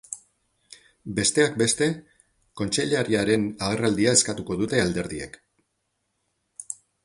Besteak beste, kontseilariaren agerraldia eskatuko dute alderdiek.